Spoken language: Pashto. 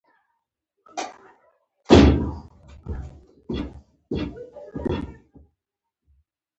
موږ د جسم په ځانګړتیاوو بحث کوو.